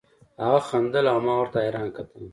هغه خندل او ما ورته حيران کتل.